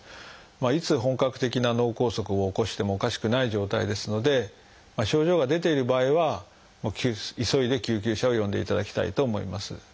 いつ本格的な脳梗塞を起こしてもおかしくない状態ですので症状が出ている場合は急いで救急車を呼んでいただきたいと思います。